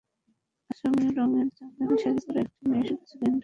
আসমানী রঙের জামদানি শাড়ি পরা একটি মেয়ে শুধু সেকেন্ড বেঞ্চে বসে আছে।